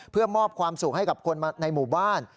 เพื่อมอบความสุขให้กับคนในหมู่บ้าน